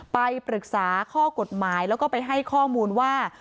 ไปปรึกษาข้อกฎหมายแล้วก็ไปให้ข้อมูลว่า